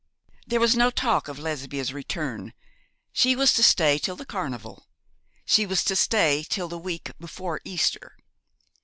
There was no talk of Lesbia's return. She was to stay till the carnival; she was to stay till the week before Easter.